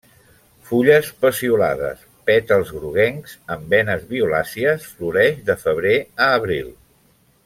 Fulles peciolades, pètals groguencs amb venes violàcies, floreix de febrer a abril.